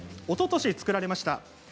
おととし作られました。